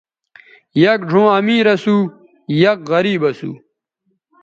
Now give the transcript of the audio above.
یک ڙھؤں امیر اسُو ،یک غریب اسُو